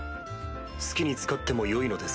好きに使ってもよいのですか？